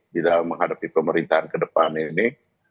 di dalam menghadapi pemerintahan ke depan ini